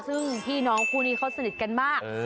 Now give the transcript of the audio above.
ซึ่งพี่น้องคู่นี้เขาสนิทกันมาก